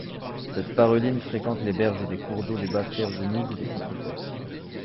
Cette paruline fréquente les berges des cours d'eau des basses-terres humides et des contreforts.